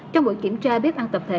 trong buổi kiểm tra bếp ăn tập thể